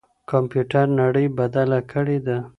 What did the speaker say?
کمپيوټر نړۍ بدله کړې ده.